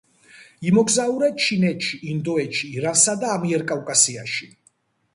იმოგზაურა ჩინეთში, ინდოეთში, ირანსა და ამიერკავკასიაში.